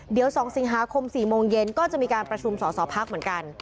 เดี๋ยว๒สิงหาคม๔โมงเย็นก็จะมีการประชุมสอสอพักเหมือนกัน